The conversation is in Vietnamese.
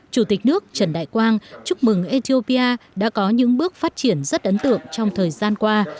chủ tịch nước trần đại quang chúc mừng ethiopia đã có những bước phát triển rất ấn tượng trong thời gian qua